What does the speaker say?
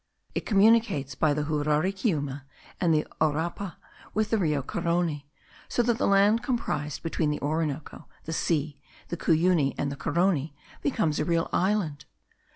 It communicates by the Juraricuima and the Aurapa with the Rio Carony; so that the land comprised between the Orinoco, the sea, the Cuyuni, and the Carony, becomes a real island.